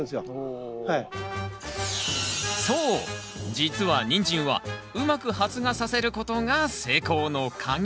実はニンジンはうまく発芽させることが成功のカギ。